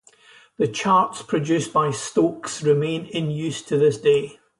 The charts produced by Stokes remain in use to this day.